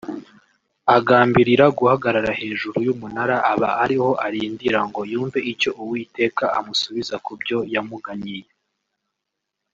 Agambirira guhagarara hejuru y’umunara aba ariho arindira ngo yumve icyo Uwiteka amusubiza kubyo yamuganyiye